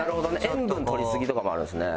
塩分とりすぎとかもあるんですね。